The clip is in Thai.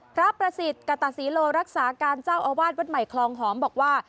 พระประสิทธิ์กะตะศิโรรักษาการเจ้าอาวาทวัฒน์วัฒน์ใหม่คลองหอมบอกว่า